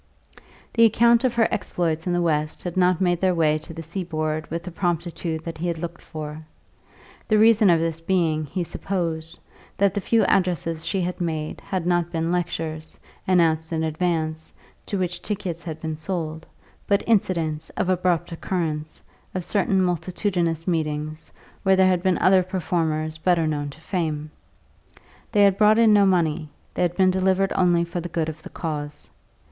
The account of her exploits in the West had not made their way to the seaboard with the promptitude that he had looked for; the reason of this being, he supposed, that the few addresses she had made had not been lectures, announced in advance, to which tickets had been sold, but incidents, of abrupt occurrence, of certain multitudinous meetings, where there had been other performers better known to fame. They had brought in no money; they had been delivered only for the good of the cause.